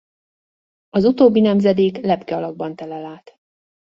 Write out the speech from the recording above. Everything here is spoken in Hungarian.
Az utóbbi nemzedék lepke alakban telel át.